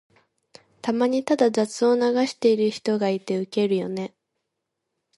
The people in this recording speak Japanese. たまにただ雑音を流してる人がいてウケるよね。